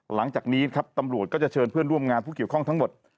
หลังจากนี้ครับตำรวจก็จะเชิญเพื่อนร่วมงานผู้เกี่ยวข้องทั้งหมด